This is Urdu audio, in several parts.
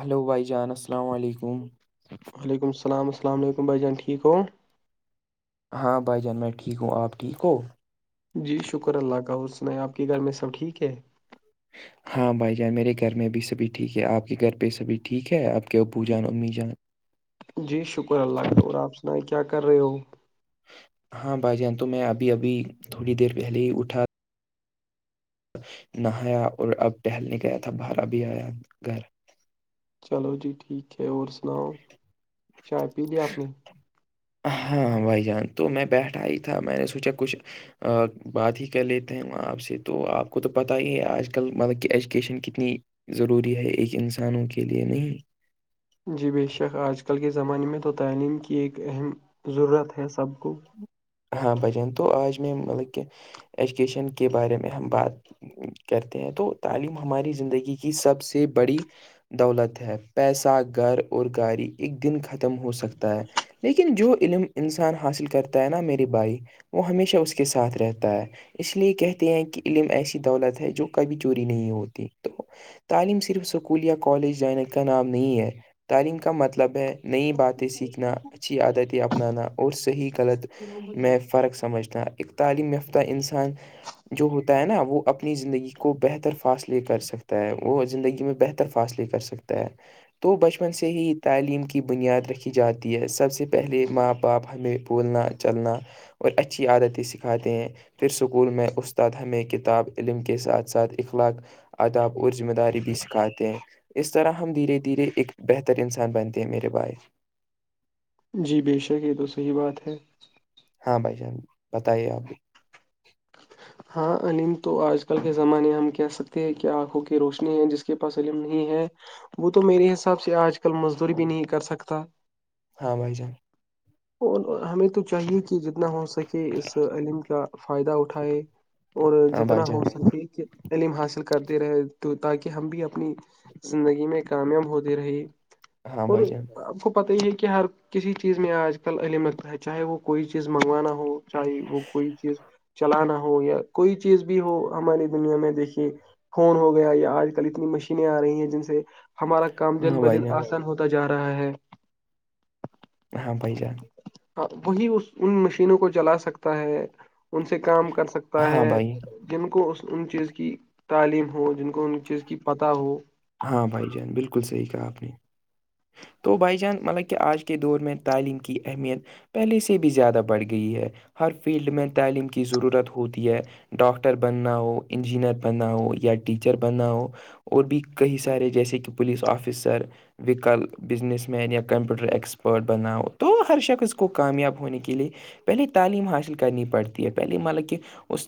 ہلو بھائی جان السلام علیکم وعلیکم السلام السلام علیکم بھائی جان ٹھیک ہو ہاں بھائی جان میں ٹھیک ہوں آپ ٹھیک ہو جی شکر اللہ کا اور سنیں آپ کے گھر میں سب ٹھیک ہے ہاں ہاں بھائی جان میرے گھر میں بھی سبھی ٹھیک ہے آپ کے گھر پہ سب ٹھیک ہے آپ کے ابو جان امی جان جی شکر اللہ کا اور آپ سنیں کیا کر رہے ہو ہاں بھائی جان تو میں ابھی ابھی تھوڑی دیر پہلے ہی اٹھا نہایا اور اب ٹہلنے گیا تھا برا بھی آیا گھر چلو جی ٹھیک ہے اور سناؤ چائے پی لیا اپنی ہاں بھائی جان تو میں بیٹھا ہی تھا میں نے سوچا کچھ بات ہی کر لیتے ہیں وہاں آپ سے تو آپ کو تو پتاہ ہی ہے آج کل مطلب کہ ایجوکیشن کتنی ضروری ہے ایک انسانوں کے لئے نہیں جی بے شک آج کل کے زمانے میں تو تعلیم کی ایک اہم ضرورت ہے سب کو ہاں بھجان تو آج میں مطلب کہ ایجوکیشن کے بارے میں ہم بات کرتے ہیں تو تعلیم ہماری زندگی کی سب سے بڑی دولت ہے پیسہ گھر اور گاڑی ایک دن ختم ہو سکتا ہے لیکن جو علم انسان حاصل کرتا ہے نا میری بھائی وہ ہمیشہ اس کے ساتھ رہتا ہے اس لیے کہتے ہیں کہ علم ایسی دولت ہے جو کبھی چوری نہیں ہوتی تو تعلیم صرف سکول یا کالج جانے کا نام نہیں ہے تعلیم کا مطلب ہے نئی باتیں سیکھنا اچھی عادتیں اپنانا اور صحیح غلط میں فرق سمجھتا ہ ایک تعلیم یافتہ انسان جو ہوتا ہے نا وہ اپنی زندگی کو بہتر فاصلے کر سکتا ہے وہ زندگی میں بہتر فاصلے کر سکتا ہے سکتا ہے تو بچپن سے ہی تعلیم کی بنیاد رکھی جاتی ہے سب سے پہلے ماں باپ ہمیں پھولنا چلنا اور اچھی عادتیں سکھاتے ہیں پھر اسکول میں استاد ہمیں کتاب علم کے ساتھ ساتھ اخلاق آداب اور ذمہ داری بھی سکھاتے ہیں اس طرح ہم دھیرے دھیرے ایک بہتر انسان بنتے ہیں میرے باعث جی بے شک یہ تو صحیح بات ہے ہاں بھائی جان بتائیے آپ ہاں عم تو آج کل کے زمانے ہم کہہ سکتے ہیں کہ آنکھوں کی روشنی ہے جس اس کے پاس علم نہیں ہے وہ تو میرے حساب سے آج کل مزدوری بھی نہیں کر سکتا ہاں بھائی جان اور ہمیں تو چاہیے کہ جتنا ہو سکے اس علم کا فائدہ اٹھائے اور ہاں بھائی جتنا جان ہو سکے کہ علم حاصل کرتے رہے تو تاکہ ہم بھی اپنی زندگی میں کامیاب ہوتے رہے ہاں اور بھائی جان آپ کو پت ہی ہے کہ ہر کسی چیز میں آج کل علم لگتا ہے چاہے وہ کوئی چیز منگوانا ہو چاہے وہ کوئی چیز چلانا ہو یا کوئی چیز بھی ہو ہماری دنیا میں دیکھیے فون ہو گیا یا آج کل اتنی مشینینیں آ رہی ہیں جن سے ہمارا کام دن ہاں ب بھائی دن جان آسان ہوتا جا رہا ہے ہاں بھائی جان ہاں وہی اس ان مشینوں کو جلا سکتا ہے ان سے کام کر سک سکتا ہاں ہے بھائی جن کو ان چیز کی تعلیم ہو جن کو ان چیز کی پتہ ہو ہاں بھائی جان بالکل صحیح کہا آپ نے تو بائی چانس مطلب کہ آج کے دور میں تعلیم کی اہمیت پہلے سے بھی زیادہ بڑھ گئی ہے ہر فیلڈ میں تعلیم کی ضرورت ہوتی ہے ڈاکٹر بننا ہو انجینئر بننا ہو یا ٹیچر بننا ہو اور بھی کئی سارے جیسے کہ پولیس آفیسر ویکل بزنس مین یا کمپیوٹر ایکسپرٹ بناؤ تو ہر شخص کو کامیاب ہونے کے لئے پہلے تعلیم حاصل کرنی پڑتی ہے پہلے مطلب کہ اس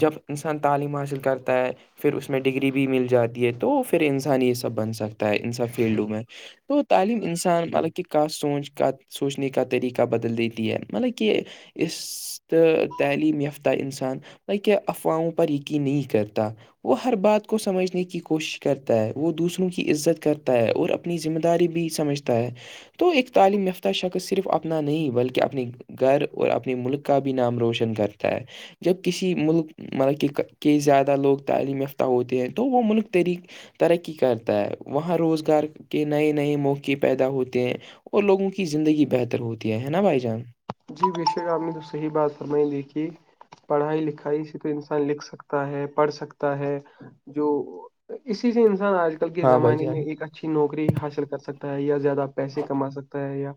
جب انسان تعلیم حاصل کرتا ہے پھر اس میں ڈگری بھی مل جاتی ہے تو پھر پھر انسان یہ سب بن سکتا ہے ان سب فیلڈوں میں تو تعلیم انسان مطلب کہ کا سوچ کا سوچنے کا طریقہ بدل دیتی ہے مطلب کہ اس تو تعلیم یافتہ انسان کہہ افواہوں پر یقین نہیں کرتا وہ ہر بات کو سمجھنے کی کوشش کرتا ہے وہ دوسروں کی عزت کرتا ہے اور اپنی ذمہ داری بھی سمجھتا ہے تو ایک تعلیم یافتہ شخص صرف اپنا نہیں بلکہ اپنی گھر اور اپنے ملک کا بھی نام روشن کرتا ہے جب کسی ملک مطلب کہ ک زیادہ لوگ تعلیم یافتہ ہوتے ہیں تو وہ ملک طری ترقی کرتا ہے وہاں روزگار کے نئے نئے موقع پیدا ہوتے ہیں اور لوگوں کی زندگی بہتر ہوتی ہے نا بھائی جان جی وشک آ نے تو صحی بات فرمائی دیھی کہ پڑھائی لکھائی سے تو انسان لکھ سکتا ہے پڑھ سکتا ہے جو اسی سے انسان آج کل کے ہاں بھائی زمانے جان میں ایک اچھا اچھی نوکری حاصل کر سکتا ہے یا زیادہ پیسے کما سکتا ہے یا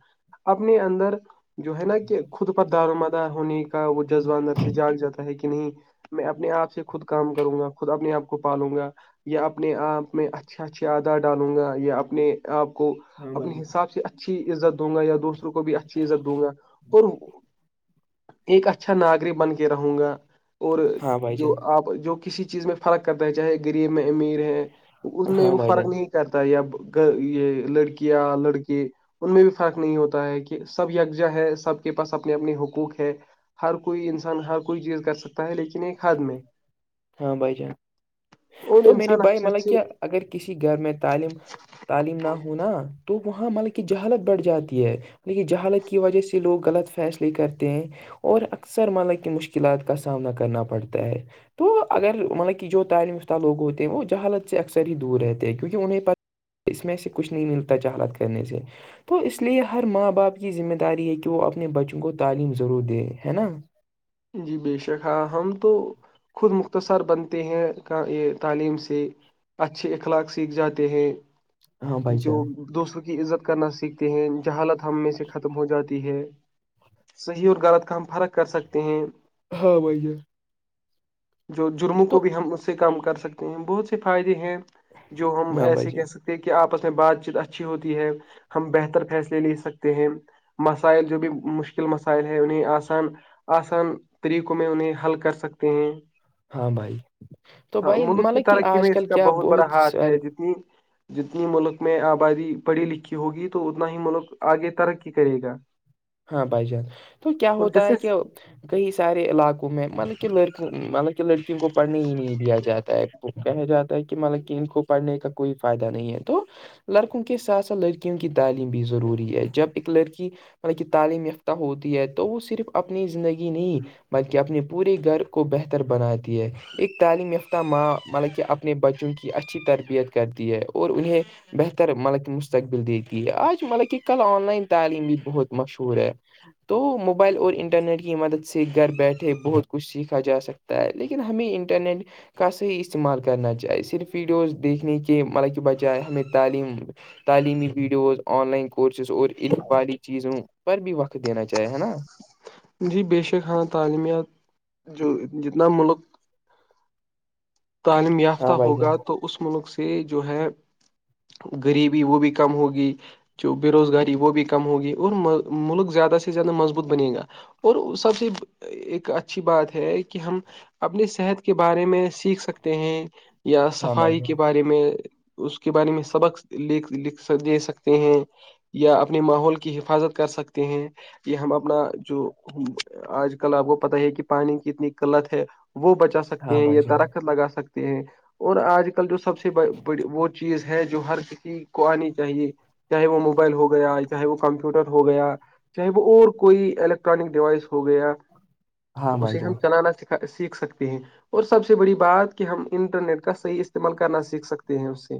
اپنے اندر جو ہے نا کہ خود پر دار و مدار ہونے کا وہ جذبہ اندر سے جاگ جاتا ہے کہ نہیں میں اپنے آپ سے خود کام کروں گا خود اپنے آپ کو پالوں گا یا اپنے آپ میں اچھے اچھے آدار ڈالوں گا یا اپنے آپ کو ہاں بھائی اپنے جان حساب سے اچھی عزت دوں گا یا دوسروں کو بھی اچھی عزت دوں گا اور ایک اچھا ناگرک بن کے رہوں گا اور ہاں بھائی جو جان آپ جو کسی چیز میں فرق کرتا ہے چاہے غریب میں امیر ہے اس میں ہاں وہ بھائی فرق جان نہیں کرتا یا یہ لڑکیاں لڑکے ان میں بھی فرق نہیں ہوتا ہے کہ سب یکجا ہے سب کے پاس اپنے اپنے حقوق ہے ہر کوئی انسان ہر کوئی چیز کر سکتا ہے لیکن ایک حد میں ہاں بھائی جان اور تو میرے انسان بھائی اچھے ملب کیا اچھے اگر کسی گھر میں تعلیم تعلیم نہ ہوناا تو وہاں مطلب کہ جہالت بڑھ جاتی ہے لیکن جہالت کی وجہ سے لوگ غلط فیصلے کرتے ہیں اور اکثر مانا کی مشکلات کا سامنا کرنا پڑتا ہے تو اگر مطلب کہ جو تعلیمیافتہ لوگ ہوتے ہیں وہ جہالت سے اکثر ہی دور رہتے ہیں کیونکہ انہیں پر اس میں سے کچھ نہیں ملتا ج حالت کرنے سے تو اس لیے ہر ماں باپ کی ذمہ داری ہے کہ وہ اپنے بچوں کو تعلیم ضرور دے ہے نا جی بے شک ہاں ہم تو خود مختصر بنتے ہیں کا یہ تعلیم سے اچھے اخلاق سیکھ جاتے ہیں ہاں بھائی جو جان دوسروں کی عزت کرنا سیکھتے ہیں جہالت ہم میں سے ختم ہو جاتی ہے صحیح اور غلط کا ہم فرق کر سکتے ہیں ہاں بھ جو جرموں کو بھی ہم اس سے کم کر سکتے ہیں بہت سے فائدے ہیں جو ہم ہاں بھائی ایسے کہہ جان سکتے کہ آپس میں بات چیت اچھی ہوتی ہے ہم بہتر فیصلے لے سکتے ہیں مسائل جو بھی مشکل مسائل ہیں انہیں آسان آسان طریقوں میں انہیں حل کر سکتے ہیں ہاں بھائی تو ہاں بھائی ملک کی مطلب کہ ترقی آج میں اس کل کا کیا بہت بڑا ہاتھ ہے سارے جتنی جتنی ملک میں آبادی پڑھی لکھی ہوگی تو اتنا ہی ملک آگے ترقی کرے گا ہاں بھائی جان تو کیا اور ہوتا جیسے ہے کہ کئی سارے علاقوں میں مطلب کہ لڑکی مطلب کہ لڑکیوں کو پڑھنے ہی نہیں دیا جاتا ہے کہ جاتا ہے کہ مطل ک ان کو پڑھنے کا کوئی فائدہ نہیں ہے تو لڑکوں کے ساتھ ساتھ لڑکیوں کی تعلیم بھی ضروری ہے جب ایک لڑکی مط کہ تعلیم یافتہ ہوتی ہے تو وہ صرف اپنی زندگی نہیں بلکہ اپنے پورے گھر کو بہتر بناتی ہے ایک تعلیم یافتہ ماں مطلب کہ اپنے بچوں کی اچھی تربیت کرتی ہے اور انہیں بہتر مطلب کہ مستقبل دیتی ہے آج مطلب کہ کل آن لائن تعلیم بھی بہت مشہور ہے تو موبائل اور انٹرنیٹ کی مدد سے گھر بیٹھے بہت کچھ سیکھا جا سکتا لیکن ہمیں انٹرنیٹ کا صحیح استعمال کرنا چاہیے صرف ویڈیوز دیکھنے کے مطلب کہ بچائے ہمیں تعلیم تعلیمی ویڈیوز آن لائن کورسز اور ا باری چیزوں پر بھی وقت دینا چاہے ہے نا جی بے شک ہاں تعلیمت جو جتنا ملک عالم یافتہ ہاں بھائی جان ہوگا تو اس ملک سے جو ہے غریبی وہ بھی کم ہوگی جو بےروزگاری وہ بھی کم ہوگی اور ملک زیادہ سے زیادہ مضبوط بنے گا اور سب سےیز ایک اچھی بات ہے کہ ہم اپنی صحت کے بارے میں سیکھ سکتے ہیں یا ہاں بھائی صفائی کے جان بارے میں اس کے بارے میں سبق لکھ دے سکتے ہیں یا اپنے ماحول کی حفاظت کر سکتے ہیں یہ ہم اپنا جو آج کل آپ کو پتا ہے کہ پانی کی کتنی قلت ہے وہ بچا سکتے ہاں ہیں بھائی یا جان درخت لگا سکتے ہیں اور آج کل جو سب سےی وہ چیز ہے جو ہر کسی کو آنی چاہیے چاہے وہ موبائل ہو گیا چاہے وہ کمپیوٹر ہو گیا چاہے وہ اور کوئی الیکٹرانک ڈیوائس ہو گیا ہاں بھائی اسے ہم جان چلانا سکھا سیکھ سکتے ہیں اور سب سے سے بڑی بات کہ ہم انٹرنیٹ کا صحیح استعمال کرنا سیکھ سکتے ہیں اس سے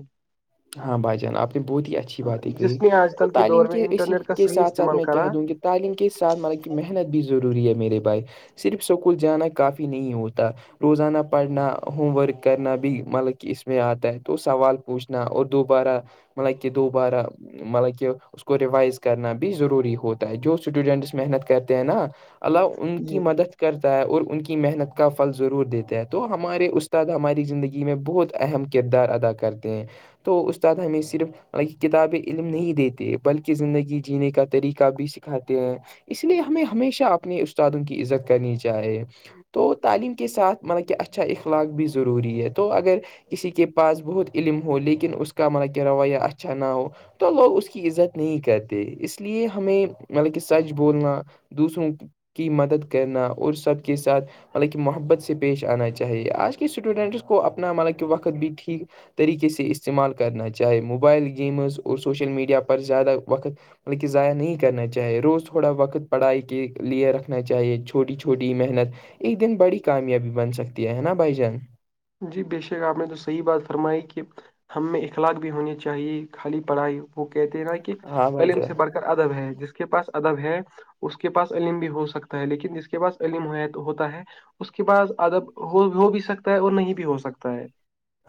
ہاں بھائی جان آپ نے بہت ہی اچھی باتیں کہی جس نے آج تو کل تعلیم دور میں کے اسی انٹرنیٹ کا کے صحیح ساتھ ساتھ استعمال میں کہہ کرا دوں گی تعلیم کے ساتھ مطلب کہ محنت بھی ضروری ہے میرے بائے صرف اسکول جانا کافی نہیں ہوتا روزانہ پڑھنا ہوم ورک کرنا بھی مطلب کہ اس میں آتا ہے تو سوال پوچھ اپنا اور دوبارہ مطلب کہ دوبارہ مطلب کہ اس کو ریوائز کرنا بھی ضروری ہوتا ہے جو اسٹوڈینٹس محنت کرتے ہیں نا ال ان کی جی مدد کرتا ہے اور ان کی محنت کا پھل ضرور دیتا ہے تو ہمارے استاد ہماری زندگی میں بہت اہم کردار ادا کرتے ہیں تو استاد ہمیں صرف ہ کتابیں علم نہیں دیتے بلکہ زندگی جینے کا طریقہ بھی سکھاتے ہیں اس لیے ہمیں ہمیشہ اپنے استادوں کی عزت کرنی چاہیے تو تعلیم کے ساتھ مطلب کہ اچھا اخلاق بھی ضروری ہے تو اگر کسی کے پاس بہت علم ہو لیکن اس کا مان کہ رویہ اچھا نہ ہو تو لوگ اس کی عزت نہیں کرتے اس لیے ہمیں مطلب کہ سچ بولنا دوسروں کی مدد کرنا اور سب کے ساتھ مطلب کہ محبت سے پیش آنا چاہیے آج کے اسٹوڈنٹس کو اپنا مطلب کہ وقت بھی ٹھیک طریقے سے استعمال کرنا چاہے موبائل گیمز اور سوشل میڈیا پر زیادہ وقت بلکہ ضائع نہیں کرنا چاہیے روز تھوڑا وقت پڑھائی کے لئے رکھنا چاہیے چھوٹی چھوٹی محنت ایک دن بڑی کامیابی بن سکتی ہے نا بھائی جان جی بے شک آپ نے تو صحیح بات فرمائی کہ ہم میں اخلاق بھی ہونی چاہیے خالی پڑھائی وہ کہتے ہیں نا کہ ہاں بھائی علم جان سے بڑ ادب ہے جس کے پاس ادب ہے اس کے پاس عم بھی ہو سکتا ہے لیکن جس کے پاس عم ہوتا ہے اس کے بعس ادب ہو ہو بھی سکتا ہے اور نہیں بھی ہو سکتا ہے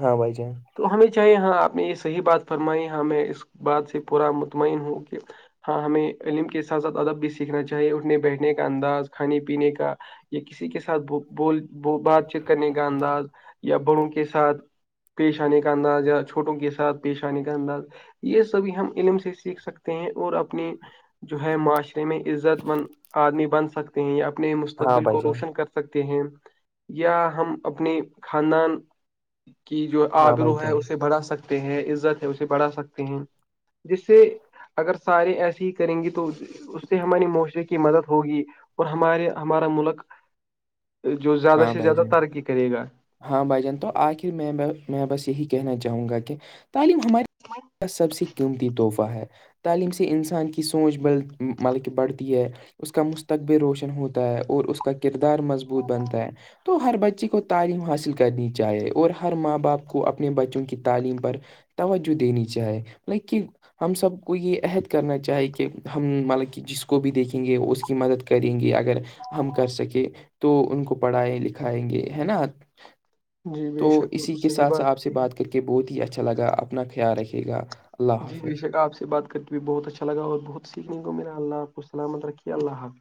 ہاں بھائی جان تو ہمیں چاہے ہاں آپ نے یہ صحیح بات فرمائی ہاں میں اس بات سے پورا مطمئن ہوں کہ ہاں ہمیں علم کے ساتھ ساتھ ادب بھی سیکھنا چاہیے اٹھنے بیٹھنے کا انداز کھانے پینے کا یا کسی کے ساتھ بول بات چیت کرنے کا انداز یا بڑوں کے ساتھ پیش آنے کا انداز یا چھوٹوں کے ساتھ پیش آنے کا انداز یہ سبھی ہم علم سے سیکھ سکتے ہیں اور اپنی جو ہے معاشرے میں عزت بند آدمی بن سکتا ہیں یا اپنے ہاں مستقبل بھائی کو جان روشن کر سکتے ہیں یا ہم اپنی خاندان کی جو ہاں بھائی آبرو ہے جان اسے بڑا سک س ہیں عزت ہے اسے بڑھا سکتے ہیں جس سے اگر سارے ایسے ہی کریں گی تو اس سے ہمارے معاشرے کی مدد ہوگی اور ہمارے ہمارا ملک جو زیادہ ہاں سے بھائی زیادہ جان ترکی کرے گا ہاں بھائی جان تو آخر میں میں بس یہی کہنا چاہوں گا کہ تعلیم ہمارے سب سے قیمتی تحفہ ہے تعلیم سے انسان کی سوچ بل مطلب کہ بڑھتی ہے اس کا مستقبل روشن ہوتا ہے اور اس کا کردار مضبوط بنتا ہے تو ہر بچے کو تعلیم حاصل کرنی چاہیے اور ہر ماں باپ کو اپنے بچوں کی تعلیم پر توجہ دینی چاہے لائک کہ ہم سب کو یہ عہد کرنا چاہے کہ ہم مطلب کہ جس کو بھی دیکھیں گے اس کی مدد کریں گے اگر ہم کر سکیں تو ان کو پڑھائیں لکھائیں گے ہے نا جی تو بے شک وہ اسی تو کے صحیح ساتھ س آپ سے ہے بات کر کے بہت ہی اچھا لگا اپنا خیال رکھے گا اللہ جی بے حافظ شک آپ سے بات کرتے ہوئے بہت اچھا لگا بہت سیکھنے کو میرا اللہ آپ کو سلامت رکھیے اللہ حافظ